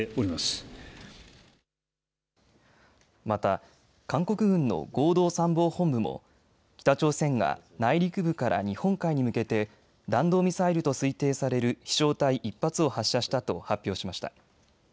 また、韓国軍の合同参謀本部も北朝鮮が内陸部から日本海に向けて弾道ミサイルと推定される飛しょう体１発を発射したと発表しました。